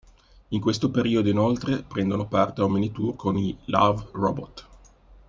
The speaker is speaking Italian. In questo periodo, inoltre, prendono parte a un mini tour con i Love, Robot.